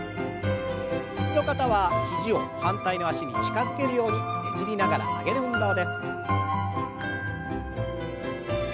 椅子の方は肘を反対の脚に近づけるようにねじりながら曲げる運動です。